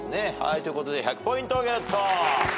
ということで１００ポイントゲット。